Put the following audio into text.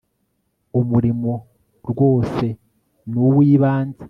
umurimo rwose ni uw'ibanze